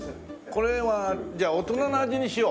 これはじゃあ大人の味にしよう。